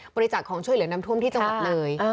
บริจาคของช่วยเหลือนำท่วมที่จังหวัดเลย